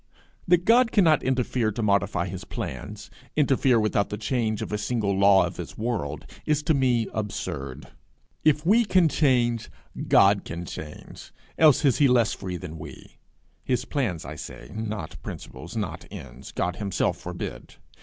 That God cannot interfere to modify his plans, interfere without the change of a single law of his world, is to me absurd. If we can change, God can change, else is he less free than we his plans, I say, not principles, not ends: God himself forbid!